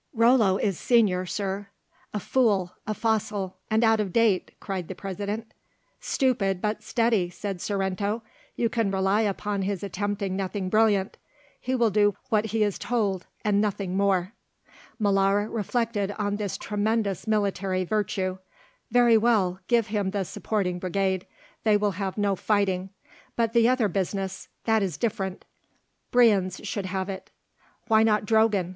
"Rollo is senior, Sir." "A fool, a fossil, and out of date," cried the President. "Stupid, but steady," said Sorrento. "You can rely upon his attempting nothing brilliant; he will do what he is told, and nothing more." Molara reflected on this tremendous military virtue. "Very well; give him the supporting brigade; they will have no fighting. But the other business; that is different. Brienz should have it." "Why not Drogan?"